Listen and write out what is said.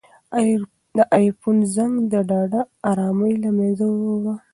د آیفون زنګ د ده ارامي له منځه یووړه.